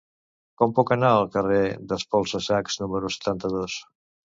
Com puc anar al carrer d'Espolsa-sacs número setanta-dos?